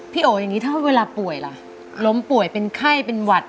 โอ๋อย่างนี้ถ้าเวลาป่วยล่ะล้มป่วยเป็นไข้เป็นหวัด